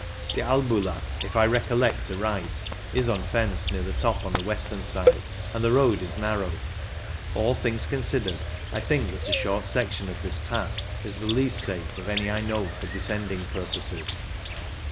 The Albula, if I recollect aright, is unfenced near the top on the western side, and the road is narrow. All things considered, I think that a short section of this pass is the least safe of any 204 CYCLING IN THE ALPS I know for descending purposes.